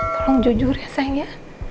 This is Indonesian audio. tolong jujur ya sayang ya